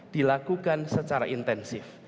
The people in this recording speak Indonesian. dilakukan secara intensif